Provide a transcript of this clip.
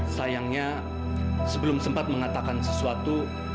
sayangnya sebelum sempat mengatakan sesuatu